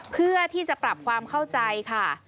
เพื่อที่จะปรับความเข้าใจค่ะ